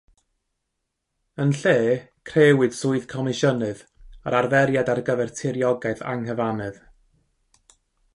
Yn lle crëwyd swydd Comisiynydd, yr arferiad ar gyfer tiriogaeth anghyfannedd.